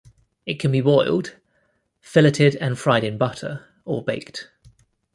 It can be boiled, filleted and fried in butter, or baked.